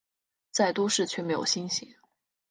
在都市却没有星星